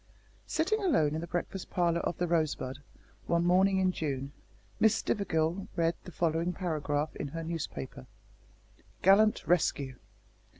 Sitting alone in the breakfast parlour of The Rosebud, one morning in June, Miss Stivergill read the following paragraph in her newspaper: "GALLANT RESCUE.